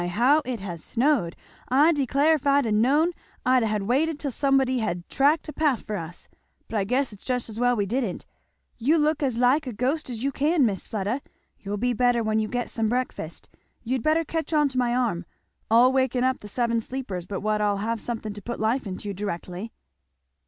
how it has snowed. I declare, if I'd ha' known I'd ha' waited till somebody had tracked a path for us. But I guess it's just as well we didn't, you look as like a ghost as you can, Miss Fleda. You'll be better when you get some breakfast. You'd better catch on to my arm I'll waken up the seven sleepers but what I'll have something to put life into you directly."